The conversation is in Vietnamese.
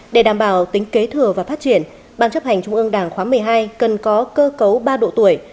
để đảm bảo tính kế thừa và phát triển ban chấp hành trung ương đảng khóa một mươi hai cần có cơ cấu ba độ tuổi